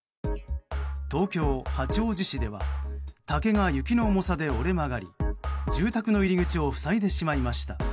東京・八王子市では竹が雪の重さで折れ曲がり住宅の入り口を塞いでしまいました。